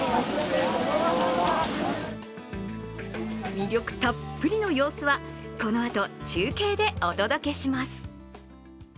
魅力たっぷりの様子はこのあと中継でお届けします。